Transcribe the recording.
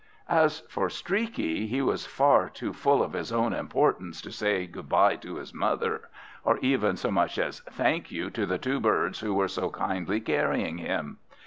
As for Streaky, he was far too full of his own importance to say good bye to his mother, or even so much as "Thank you" to the two birds who were so kindly carrying him.